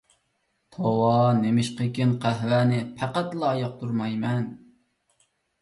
توۋا، نېمىشقىكىن قەھۋەنى پەقەتلا ياقتۇرمايمەن.